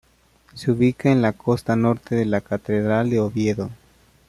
Se ubica en el costado norte de la Catedral de Oviedo.